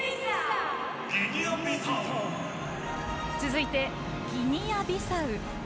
続いて、ギニアビサウ。